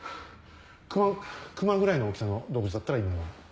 熊熊ぐらいの大きさの動物だったら今のは。